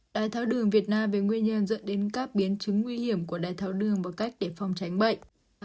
đái tháo đường việt nam về nguyên nhân dẫn đến các biến chứng nguy hiểm của đáy tháo đường và cách để phòng tránh bệnh